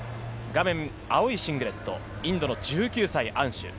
青いシングレット、インドの１９歳アンシュ。